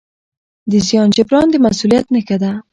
د زیان جبران د مسؤلیت نښه ده.